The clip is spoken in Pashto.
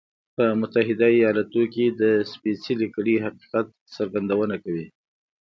په متحده ایالتونو کې د سپېڅلې کړۍ حقیقت څرګندونه کوي.